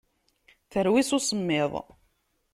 Terwi s usemmiḍ.